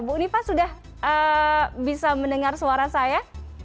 bu nipah sudah bisa mendengar suara saya